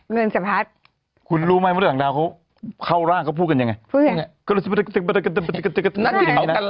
เงินสะพัดคุณรู้ไหมมนุษย์ต่างดาวเขาเข้าร่างเขาพูดกันยังไงพูดยังไง